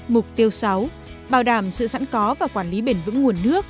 mục tiêu sáu bảo đảm sự sẵn có và quản lý bền vững nguồn nước